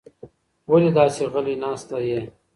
ولې داسې غلې ناسته یې؟